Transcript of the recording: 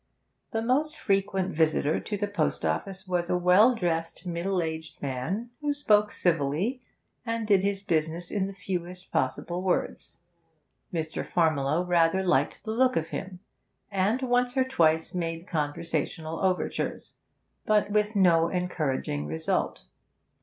The most frequent visitor to the post office was a well dressed, middle aged man, who spoke civilly, and did his business in the fewest possible words. Mr. Farmiloe rather liked the look of him, and once or twice made conversational overtures, but with no encouraging result.